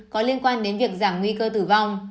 có liên quan đến việc giảm nguy cơ tử vong